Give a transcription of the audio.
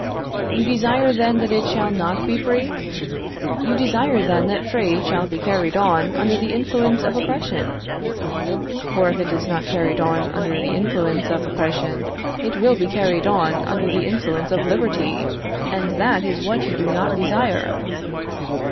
You desire, then, that it shall not be free? You desire, then, that trade shall be carried on under the influence of oppression? For if it is not carried on under the influence of oppression, it will be carried on under the influence of liberty, and that is what you do not desire.